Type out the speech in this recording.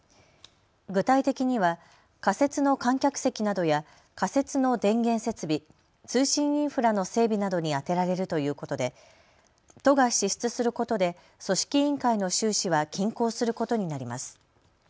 具体的には仮設の観客席などや仮設の電源設備、通信インフラの整備などに充てられるということで都が支出することで組織委員会の収支は均衡することになります。